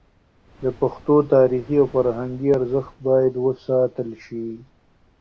د پښتو تاریخي او فرهنګي ارزښت باید وساتل شي.